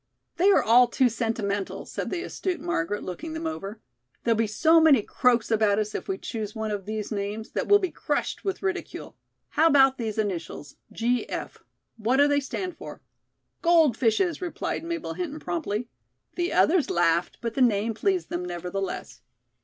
"They are all too sentimental," said the astute Margaret, looking them over. "There'll be so many croaks about us if we choose one of these names that we'll be crushed with ridicule. How about these initials 'G.F.' What do they stand for?" "Gold Fishes," replied Mabel Hinton promptly. The others laughed, but the name pleased them, nevertheless.